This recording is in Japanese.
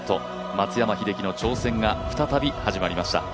松山英樹の挑戦が再び始まりました。